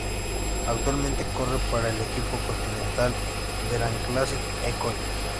Actualmente corre para el equipo continental Veranclassic-Ekoi.